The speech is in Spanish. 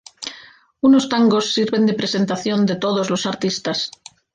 Unos tangos sirven de presentación de todos los artistas.